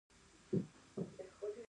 نخود په للمي ځمکو کې کیږي.